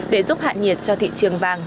để giúp hạn nhiệt cho thị trường vàng